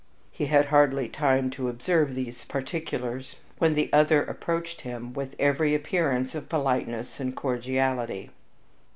He had hardly time to observe these particulars, when the other approached him with every appearance of politeness and cordiality.